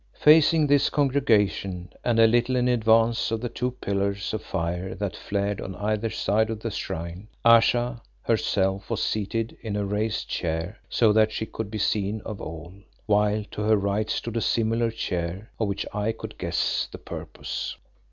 Facing this congregation and a little in advance of the two pillars of fire that flared on either side of the shrine, Ayesha herself was seated in a raised chair so that she could be seen of all, while to her right stood a similar chair of which I could guess the purpose.